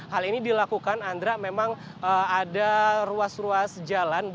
hal ini dilakukan andra memang ada ruas ruas jalan